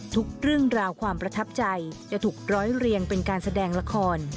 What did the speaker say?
ทุกเรื่องราวความประทับใจจะถูกร้อยเรียงเป็นการแสดงละคร